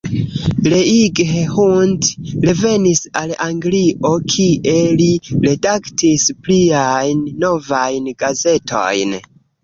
Leigh Hunt revenis al Anglio kie li redaktis pliajn novajn gazetojn.